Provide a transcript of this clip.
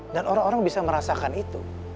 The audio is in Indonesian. dan orang orang bisa merasakan itu